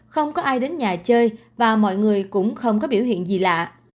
không có ai đến nhà chơi và mọi người cũng không có biểu hiện gì lạ